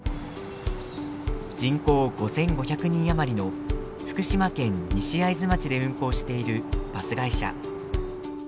人口５，５００人余りの福島県西会津町で運行しているバス会社。